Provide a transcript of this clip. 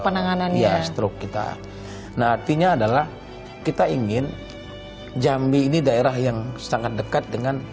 penanganan ya stroke kita nah artinya adalah kita ingin jambi ini daerah yang sangat dekat dengan